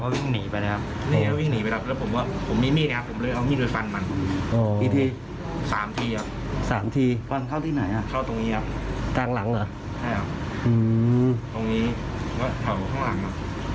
แต่ที่เหลือก็ไม่ได้ช่วยมันใช่ครับ